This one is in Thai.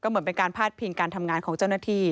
เหมือนเป็นการพาดพิงการทำงานของเจ้าหน้าที่